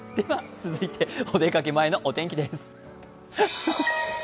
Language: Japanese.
続いて、お出かけ前のお天気です。